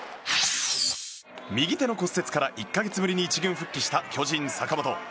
右手の骨折から１か月ぶりに１軍復帰した巨人、坂本。